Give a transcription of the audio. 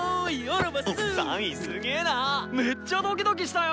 めっちゃドキドキしたよ。